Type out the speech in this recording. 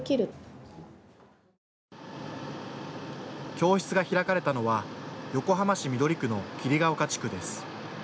教室が開かれたのは横浜市緑区の霧が丘地区です。